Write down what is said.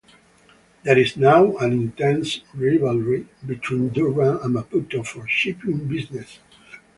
There is now an intense rivalry between Durban and Maputo for shipping business.